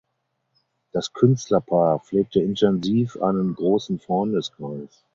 Das Künstlerpaar pflegte intensiv einen großen Freundeskreis.